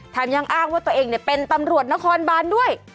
ทำอย่างอ้ามว่าตัวเองเป็นตำรวจนครบรรดิด้วย